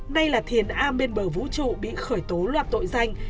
nay là thiền a bên bờ vũ trụ bị khởi tố loạt tội danh